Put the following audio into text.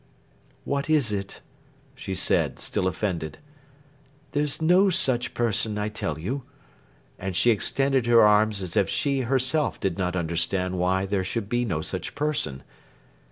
"What is it?" she said, still offended. "There's no such person, I tell you," and she extended her arms as if she herself did not understand why there should be no such person.